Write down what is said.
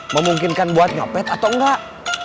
memungkinkan buat nyopet atau enggak